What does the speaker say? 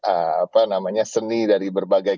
apa namanya seni dari berbagai